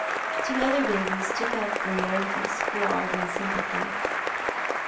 Two other babies took up the note, and squalled in sym patliy.